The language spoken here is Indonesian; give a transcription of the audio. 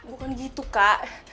bukan gitu kak